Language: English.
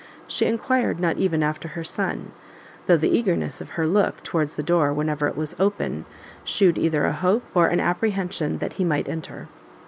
She enquired not even after her son, though the eagerness of her look towards the door whenever it was opened, shewed either a hope, or an apprehension that he might enter.